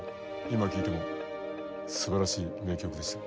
今聴いてもすばらしい名曲でした。